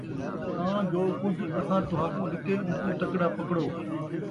تاں جو کُجھ اَساں تُہاکوں ݙتے اُوکوں تکڑا پکڑو،